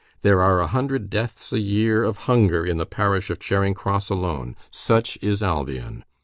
There are a hundred deaths a year of hunger in the parish of Charing Cross alone. Such is Albion.